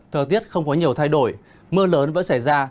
thời tiết không có nhiều thay đổi mưa lớn vẫn xảy ra